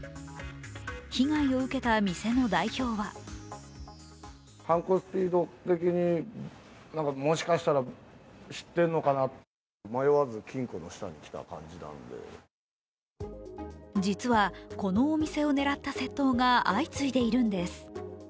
被害を受けた店の代表は実は、このお店を狙った窃盗が相次いでいるんです。